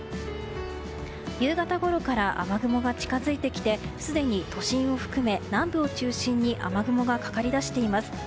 夕方ごろから雨雲が近づいてきてすでに都心を含め、南部を中心に雨雲がかかり出しています。